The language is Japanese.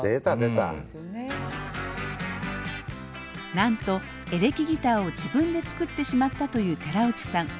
なんとエレキギターを自分で作ってしまったという寺内さん。